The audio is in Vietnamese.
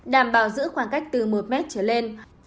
đảm bảo giữ khoảng cách từ một mét trở lên